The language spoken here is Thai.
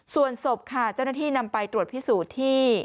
ส่วนศพค่ะเจ้าหน้าที่นำไปตรวจพิสูจน์ที่